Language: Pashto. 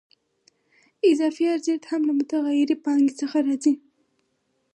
اضافي ارزښت هم له متغیرې پانګې څخه راځي